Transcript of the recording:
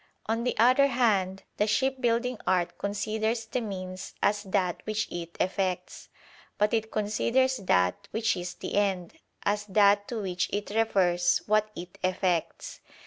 On the other hand, the ship building art considers the means as that which it effects; but it considers that which is the end, as that to which it refers what it effects.